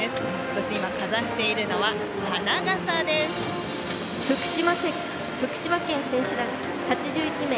そして今、かざしているのは福島県選手団、８１名。